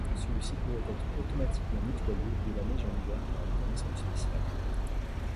Celui-ci pouvait être automatiquement nettoyé de la neige en hiver par un mécanisme spécial.